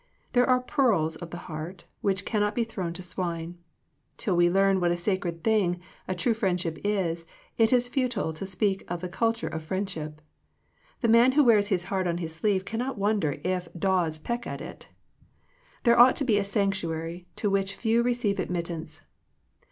There are pearls of the heart, which can not be thrown to swine. Till we learn what a sacred thing a true friendship is, it is futile to speak of the culture of friendship. The man who wears his heart on his sleeve cannot wonder if 38 Digitized by VjOOQIC THE CULTURE OF FRIENDSHIP daws peck at it There ought to be a sanctuary, to which few receive admit tance.